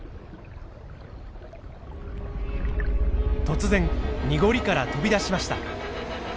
突然濁りから飛び出しました。